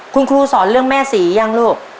คุณครูสอนเรื่องแม่ศรียังลูก